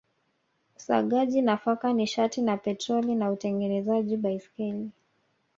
Usagaji nafaka nishati na petroli na utengenezaji baiskeli